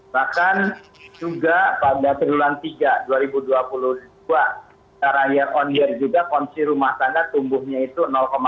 bahkan juga pada bulan tiga dua ribu dua puluh dua karena year on year juga konsil rumah sana tumbuhnya itu dua belas